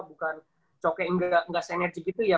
bukan coke nggak se enerjit gitu ya